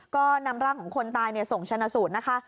ก็นำร่างของคนตายส่งชนะสูตรนะคะ